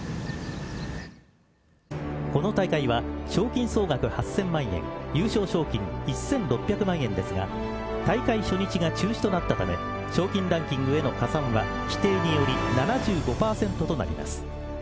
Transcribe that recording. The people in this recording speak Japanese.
この大会は賞金総額８０００万円優勝賞金１６００万円ですが大会初日が中止となったため賞金ランキングへの加算は規定により７５％となります。